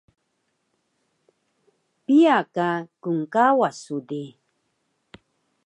Piya ka knkawas su di?